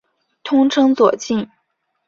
通称左近。